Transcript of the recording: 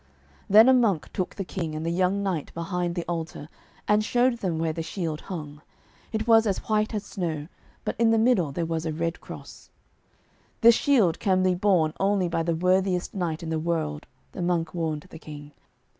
Then a monk took the King and the young knight behind the altar, and showed them where the shield hung. It was as white as snow, but in the middle there was a red cross. 'The shield can be borne only by the worthiest knight in the world,' the monk warned the King.